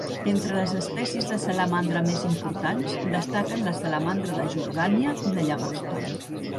Entre les espècies de salamandra més importants destaquen la salamandra de Jordània i la llagosta.